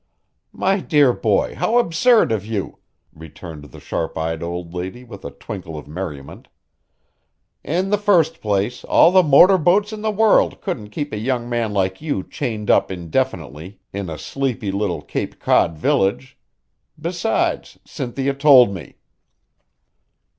"My dear boy, how absurd of you!" returned the sharp eyed old lady with a twinkle of merriment. "In the first place, all the motor boats in the world couldn't keep a young man like you chained up indefinitely in a sleepy little Cape Cod village. Besides, Cynthia told me."